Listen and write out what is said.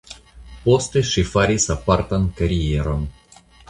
Poste ŝi faris apartan karieron.